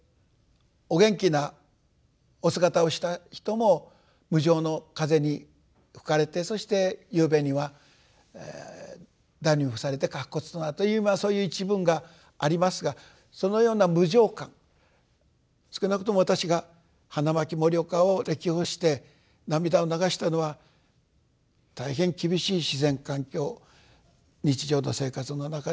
お元気なお姿をした人も無常の風に吹かれてそして夕べには荼毘に付されて白骨となるというそういう一文がありますがそのような無常観少なくとも私が花巻盛岡を歴訪して涙を流したのは大変厳しい自然環境日常の生活の中での飢饉というようなもの。